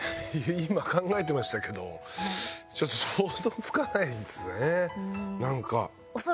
今考えてましたけどちょっと想像つかないですねなんか。